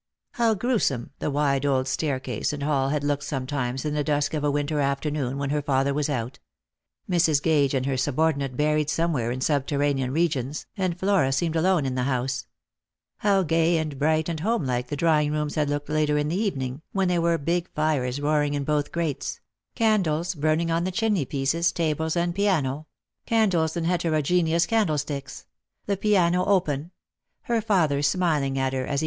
How gruesome the wide old staircase and hall had looked sometimes in the dusk of 'a winter afternoon when her father was out, Mrs. Gage and her subor dinate buried somewhere in subterranean regions, and Flora seemed alone in the house ! How gay and bright and homelike the drawing rooms had looked later in the evening, when there were big fires roaring in both grates; candles burning on chimney pieces, tables, and piano — candles in heterogeneous candlesticks ; the piano open ; her father smiling at her as he Laet for Love.